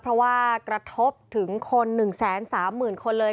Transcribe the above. เพราะว่ากระทบถึงคน๑๓๐๐๐คนเลย